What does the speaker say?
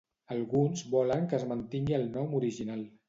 Alguns volen que es mantingui el nom original.